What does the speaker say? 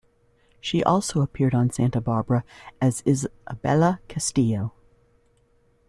She also appeared on "Santa Barbara" as Isabella Castillo.